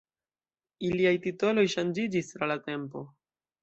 Iliaj titoloj ŝanĝiĝis tra la tempo.